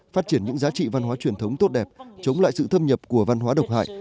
phát triển những giá trị văn hóa truyền thống tốt đẹp chống lại sự thâm nhập của văn hóa độc hại